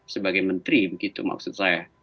sebagai menteri begitu maksud saya